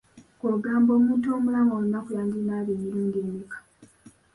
Gwe ogamba omuntu omulamu olunaku yandinaabye emirundi emeka?